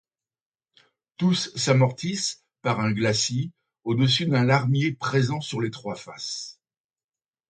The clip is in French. Tous s'amortissent par un glacis au-dessus d'un larmier présent sur les trois faces.